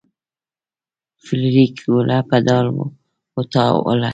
فلیریک ګوله په ډال وتاوله.